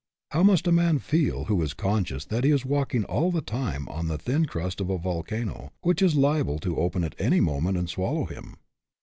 How must a man feel who is conscious that he is walking all the time on the thin crust of a volcano which is liable to open at any moment and swallow him?